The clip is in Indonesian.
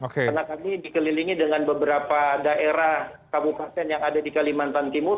karena kami dikelilingi dengan beberapa daerah kabupaten yang ada di kalimantan timur